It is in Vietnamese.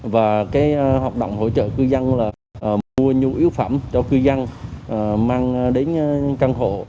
và hợp động hỗ trợ cư dân là mua nhu yếu phẩm cho cư dân mang đến căn hộ